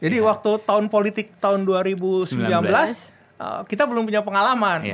jadi waktu tahun politik tahun dua ribu sembilan belas kita belum punya pengalaman